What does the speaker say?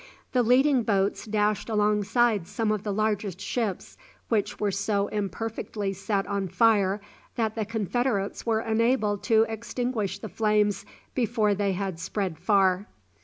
The leading boats dashed alongside some of the largest ships, which were so imperfectly set on fire that the confederates were enabled to extinguish the flames before they had spread far.